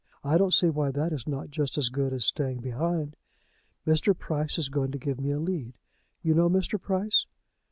I don't see why that is not just as good as staying behind. Mr. Price is going to give me a lead. You know Mr. Price?"